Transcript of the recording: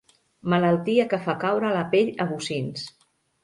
Malaltia que fa caure la pell a bocins.